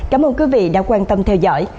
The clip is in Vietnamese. cảm ơn quý vị đã quan tâm theo dõi